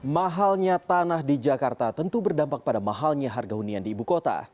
mahalnya tanah di jakarta tentu berdampak pada mahalnya harga hunian di ibu kota